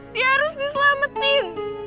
dia harus diselamatin